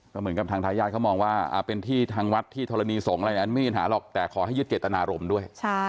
เหมือนกับทางทายาทเขามองว่าเป็นที่ทางวัดที่ธรณีสงฆ์อะไรนั้นไม่มีปัญหาหรอกแต่ขอให้ยึดเจตนารมณ์ด้วย